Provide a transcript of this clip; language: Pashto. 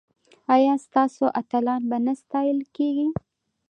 ایا ستاسو اتلان به نه ستایل کیږي؟